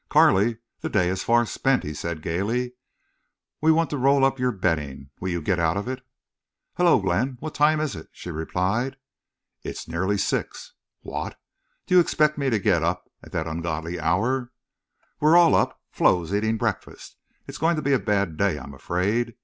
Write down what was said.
"Carley, the day is far spent," he said, gayly. "We want to roll up your bedding. Will you get out of it?" "Hello, Glenn! What time is it?" she replied. "It's nearly six." "What!... Do you expect me to get up at that ungodly hour?" "We're all up. Flo's eating breakfast. It's going to be a bad day, I'm afraid.